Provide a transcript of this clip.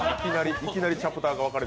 いきなりチャプターが分かれて。